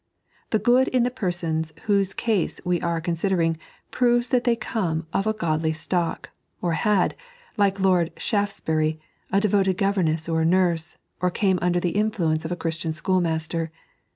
The good in the persons whose case we are con sidering proves that they come of a godly stock, or had, like Lord Shaftesbury, a devoted governess or nurse, or came under the influence of a Christian schoolmaster.